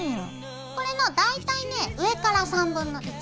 これの大体ね上から３分の１。